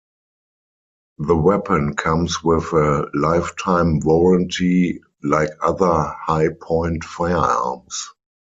The weapon comes with a lifetime warranty like other Hi-Point firearms.